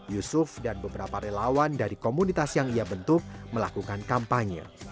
yusuf dan beberapa relawan dari komunitas yang ia bentuk melakukan kampanye